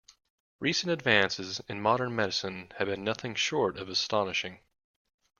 Recent advances in modern medicine have been nothing short of astonishing.